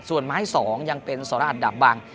ส่วนไม้๒ยังเป็นสรอัดดับบัง